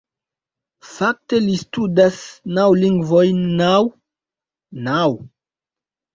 Fakte, li studas naŭ lingvojn naŭ? naŭ